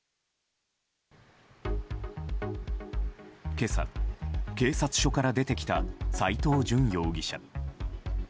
今朝、警察署から出てきた斎藤淳容疑者。